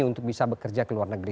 untuk bisa bekerja ke luar negeri